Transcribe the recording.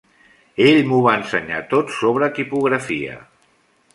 Ell m'ho va ensenyar tot sobre tipografia.